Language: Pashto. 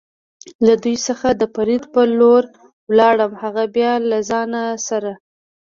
له دوی څخه د فرید په لور ولاړم، هغه بیا له ځان سره.